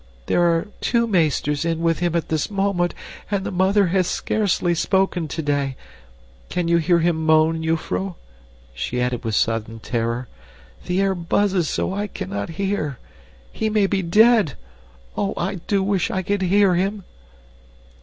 There are two meesters in with him at this moment, and the mother has scarcely spoken today. Can you hear him moan, jufvrouw?" she added with sudden terror. "The air buzzes so I cannot hear. He may be dead! Oh, I do wish I could hear him!"